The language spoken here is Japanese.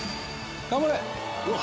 頑張れ！